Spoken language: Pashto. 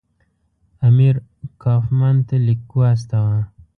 امیر کوفمان ته لیک واستاوه.